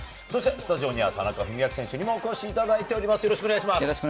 スタジオには田中史朗選手にもお越しいただいています。